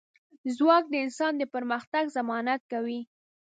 ځواک د انسان د پرمختګ ضمانت کوي.